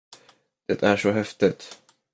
Det är så häftigt!